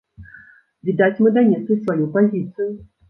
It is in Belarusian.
Відаць, мы данеслі сваю пазіцыю.